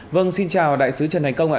vâng xin chào đại sứ trần thành công ạ